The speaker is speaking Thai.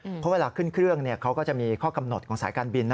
เพราะเวลาขึ้นเครื่องเขาก็จะมีข้อกำหนดของสายการบิน